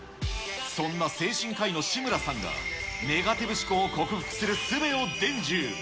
そんな精神科医の志村さんがネガティブ思考を克服するすべを伝授。